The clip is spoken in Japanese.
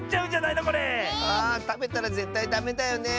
たべたらぜったいダメだよね。